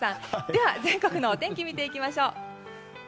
では、全国のお天気を見ていきましょう。